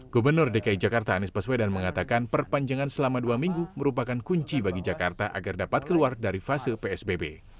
gubernur dki jakarta anies baswedan mengatakan perpanjangan selama dua minggu merupakan kunci bagi jakarta agar dapat keluar dari fase psbb